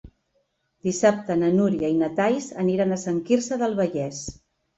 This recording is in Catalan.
Dissabte na Núria i na Thaís aniran a Sant Quirze del Vallès.